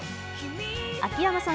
秋山さん